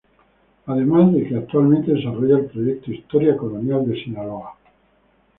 Además de que actualmente desarrolla el Proyecto Historia Colonial de Sinaloa.